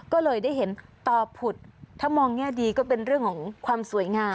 ก็เลยได้เห็นต่อผุดถ้ามองแง่ดีก็เป็นเรื่องของความสวยงาม